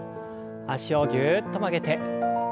脚をぎゅっと曲げて。